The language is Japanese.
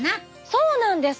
そうなんです。